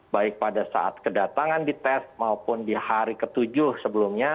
baik pada saat kedatangan di tes maupun di hari ketujuh sebelumnya